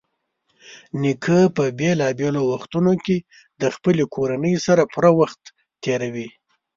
نیکه په بېلابېلو وختونو کې د خپلې کورنۍ سره پوره وخت تېروي.